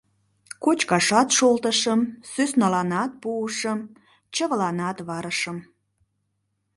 — Кочкашат шолтышым, сӧсналанат пуышым, чывыланат варышым.